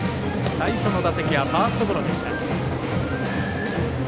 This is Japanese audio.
最初の打席はファーストゴロでした。